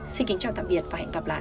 xin kính chào tạm biệt và hẹn gặp lại